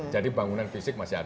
jadi bangunan fisik masih ada